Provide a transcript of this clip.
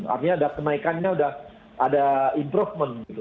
artinya ada kenaikannya sudah ada improvement gitu